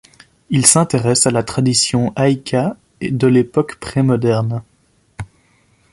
Il s'intéresse à la tradition haikai de l'époque pré-moderne.